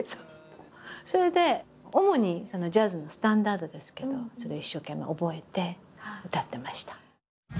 それで主にジャズのスタンダードですけどそれを一生懸命覚えて歌ってました。